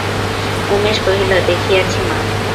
উমেশ কহিল, দেখিয়াছি মা।